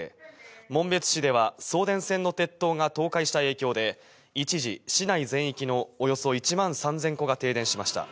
紋別市では送電線の鉄塔が倒壊した影響で、一時、市内全域のおよそ１万３０００戸が停電しました。